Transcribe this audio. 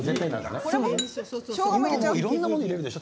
いろんなもの入れるでしょ